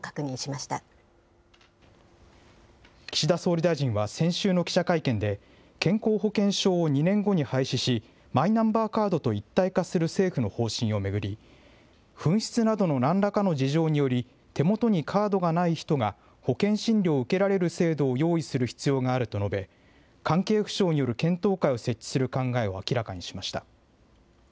ま岸田総理大臣は先週の記者会見で、健康保険証を２年後に廃止し、マイナンバーカードと一体化する政府の方針を巡り、紛失などのなんらかの事情により、手元にカードがない人が、保険診療を受けられる制度を用意する必要があると述べ、関係府省による検討会を設置する考えを明らかにしました。